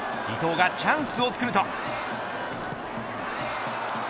伊東がチャンスをつくると。